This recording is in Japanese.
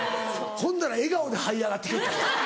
ほんだら笑顔ではい上がって来よった。